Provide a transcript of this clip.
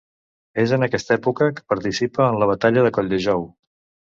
És en aquesta època que participa en la batalla de Colldejou.